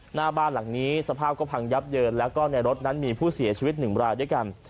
หน้าบ้านหลังนี้สภาพก็พังยับเยินแล้วก็ในรถนั้นมีผู้เสียชีวิตหนึ่งรายด้วยกัน